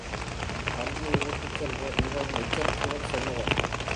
வண்டியை ஓட்டிச் செல்லுவோர் மிகவும் எச்சரிக்கையோடு செல்ல வேண்டும்.